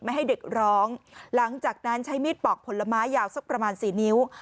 ให้เด็กร้องหลังจากนั้นใช้มีดปอกผลไม้ยาวสักประมาณสี่นิ้ว